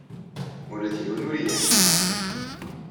Ula d yiwen ur iyi-iḥebbes.